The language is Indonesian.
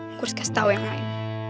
gua harus kasih tau yang lain